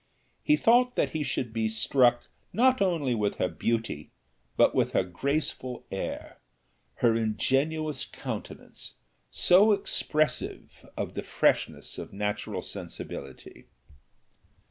He thought that he should be struck not only with her beauty, but with her graceful air her ingenuous countenance, so expressive of the freshness of natural sensibility.